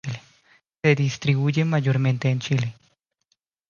Se distribuye mayormente en Chile.